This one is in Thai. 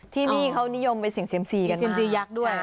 ที่นี่เขานิยมไปเสี่ยงเซียมซีกันมาก